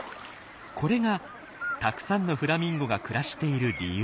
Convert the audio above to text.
これがたくさんのフラミンゴが暮らしている理由。